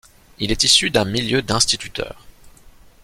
Il est issu d’un milieu d’instituteurs.